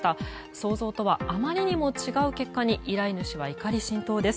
想像とはあまりにも違う結果に依頼主は怒り心頭です。